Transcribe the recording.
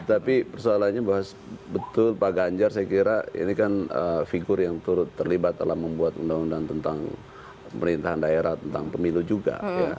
tapi persoalannya bahwa betul pak ganjar saya kira ini kan figur yang turut terlibat dalam membuat undang undang tentang pemerintahan daerah tentang pemilu juga